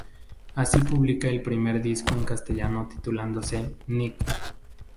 Así publica el primer disco en castellano titulándose "Nek".